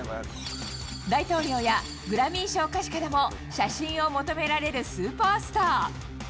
大統領やグラミー賞歌手からも写真を求められるスーパースター。